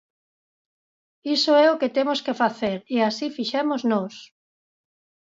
Iso é o que temos que facer e así fixemos nós.